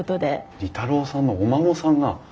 利太郎さんのお孫さんが。